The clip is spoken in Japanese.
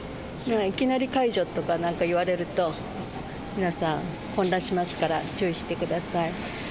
いきなり解除とかなんか言われると、皆さん混乱しますから、注意してください。